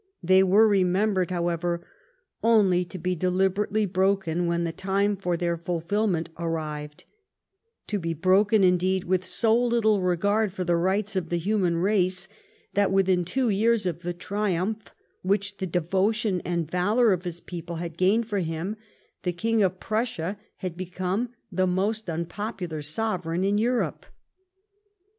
They were remembered, however, only to be deliberately broken when the time for their fulfilment arrived : to be broken, indeed, with so little regard for the rights of the human race, that within two years of the triumph which the devotion and valour of his people had gained for him, the King of Prussia had become the most unpopular sovereign in Europe.